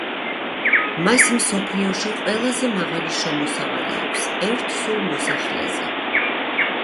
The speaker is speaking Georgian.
მას მსოფლიოში ყველაზე მაღალი შემოსავალი აქვს ერთ სულ მოსახლეზე.